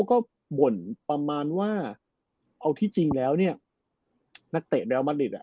ก็บ่นประมาณว่าเอาทิ้งแล้วเนี่ยนักเตะ